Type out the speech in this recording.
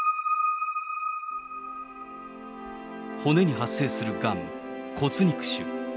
骨に発生するがん、骨肉腫。